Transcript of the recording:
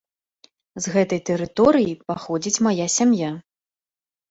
З гэтай тэрыторыі паходзіць мая сям'я.